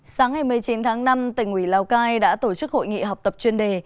sáng ngày một mươi chín tháng năm tỉnh ủy lào cai đã tổ chức hội nghị học tập chuyên đề